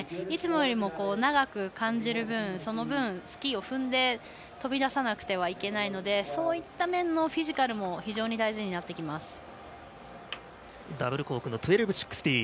いつもよりも長く感じる分スキーを踏んで飛び出さなくてはいけないのでそういった面のフィジカルもダブルコーク１２６０。